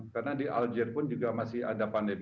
karena di aljazeera pun juga masih ada yang berada di aljazeera